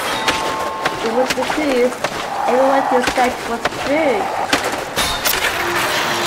It was the truth; every word you said was true.